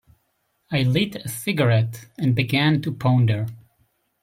I lit a cigarette and began to ponder.